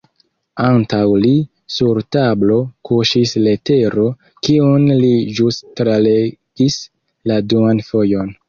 Antaŭ li, sur tablo, kuŝis letero, kiun li ĵus tralegis la duan fojon.